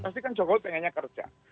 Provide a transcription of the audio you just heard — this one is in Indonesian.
pasti kan jokowi pengennya kerja